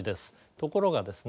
ところがですね